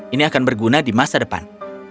ini akan berguna di masa depan